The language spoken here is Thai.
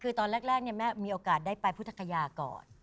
คือตอนแรกแม่มีโอกาสได้ไปพุทธคยาก่อน